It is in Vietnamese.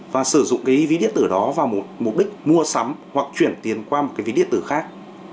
và sử dụng cái ví điện tử đó vào mục đích mua sắm hoặc chuyển tiền qua một cái ví điện tử khác